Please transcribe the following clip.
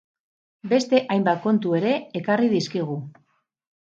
Beste hainbat kontu ere ekarri dizkigu.